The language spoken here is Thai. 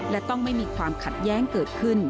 และต้องไม่มีความขัดแย้งเกิดขึ้น